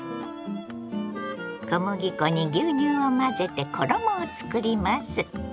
小麦粉に牛乳を混ぜて衣を作ります。